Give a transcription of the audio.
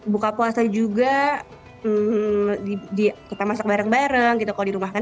buka puasa juga kita masak bareng bareng gitu kalau di rumah kan